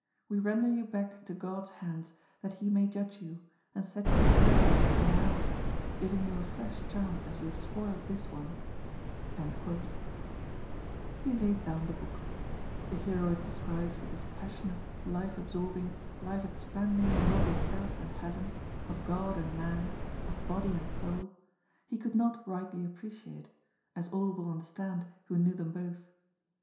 We render you back into God's hands that He BLIND JUSTICE. 357 may judge yon, and set yon to work again somewhere else, giving you a fresh chance as you have spoilt this one.' " He laid down the book. The hero it describes with his passionate, life absorbing, life expanding love of earth and heaven, of God and man, of body and soul, he could not rightly appreciate, as all will understand who knew them both.